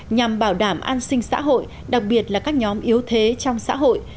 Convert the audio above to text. nhằm bảo đảm an sinh xã hội đặc biệt là các nhóm yếu thế trong xã hội